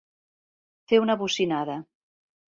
Fer una bocinada.